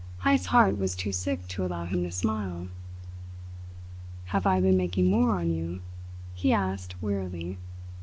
Heyst's heart was too sick to allow him to smile. "Have I been making war on you?" he asked wearily.